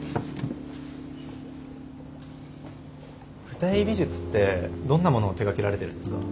舞台美術ってどんなものを手がけられてるんですか？